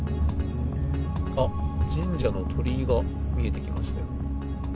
あっ、神社の鳥居が見えてきました。